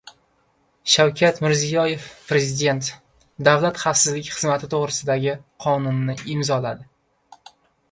Shavkat Mirziyoyev Prezident davlat xavfsizlik xizmati to‘g‘risidagi Qonunni imzoladi